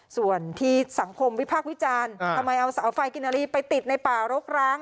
ส่วนที่สังคมวิพากษ์วิจารณ์ทำไมเอาเสาไฟกินนารีไปติดในป่ารกร้าง